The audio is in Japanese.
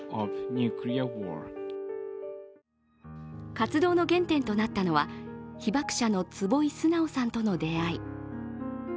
活動の原点となったのは、被爆者の坪井直さんとの出会い。